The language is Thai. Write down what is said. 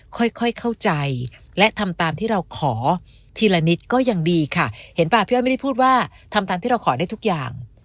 ค่อยค่อยเข้าใจและทำตามที่เราขอทีละนิดก็ยังดีค่ะเห็นป่ะพี่อ้อยไม่ได้พูดว่าทำตามที่เราขอได้ทุกอย่าง